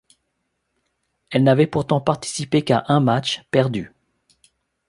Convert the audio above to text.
Elle n'avait pourtant participé qu'à un match, perdu.